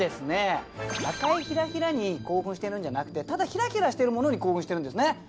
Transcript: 赤いヒラヒラに興奮しているんじゃなくてただヒラヒラしてるものに興奮してるんですね。